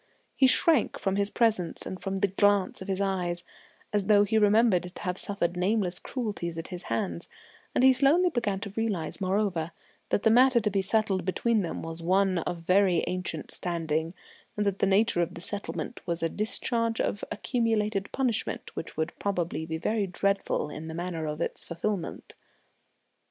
He shrank from his presence, and from the glance of his eyes, as though he remembered to have suffered nameless cruelties at his hands; and he slowly began to realise, moreover, that the matter to be settled between them was one of very ancient standing, and that the nature of the settlement was a discharge of accumulated punishment which would probably be very dreadful in the manner of its fulfilment.